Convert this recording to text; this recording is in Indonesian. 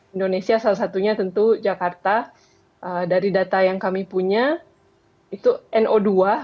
indonesia salah satunya tentu jakarta dari data yang kami punya itu no dua